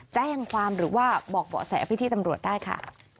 แจ้งความหรือว่าบอกเบาะแสพี่ตำรวจได้ค่ะ